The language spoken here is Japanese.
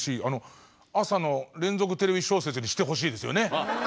あの朝の連続テレビ小説にしてほしいですよね！